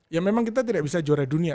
ya memang kita tidak bisa juara dunia